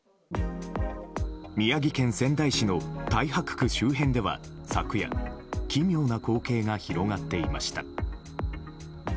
宮城県仙台市の太白区周辺では昨夜奇妙な光景が広がっていました。